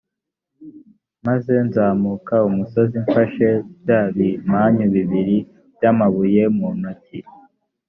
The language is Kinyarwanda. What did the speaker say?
maze nzamuka umusozi mfashe bya bimanyu bibiri by’amabuye mu ntoki.